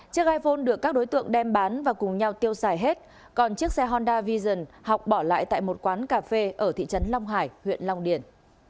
chiếc iphone được các đối tượng đem bán và cùng nhau tiêu xài hết còn chiếc xe honda vision học bỏ lại tại một quán cà phê ở thị trấn long hải huyện long điền